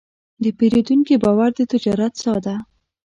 د پیرودونکي باور د تجارت ساه ده.